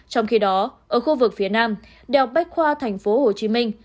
trong khi đó ở khu vực phía nam đại học bách khoa tp hồ chí minh